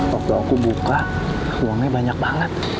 waktu aku buka uangnya banyak banget